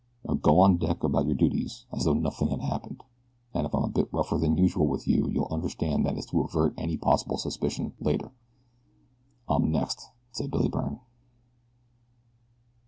Now go on deck about your duties as though nothing had happened, and if I'm a bit rougher than usual with you you'll understand that it's to avert any possible suspicion later." "I'm next," said Billy Byrne.